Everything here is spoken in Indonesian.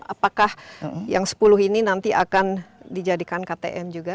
apakah yang sepuluh ini nanti akan dijadikan ktm juga